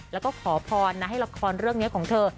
แล้วก็ขอพรนะให้ละครเรื่องนี้ของเธอ